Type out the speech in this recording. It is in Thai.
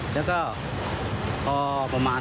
แล้วก็พอประมาณ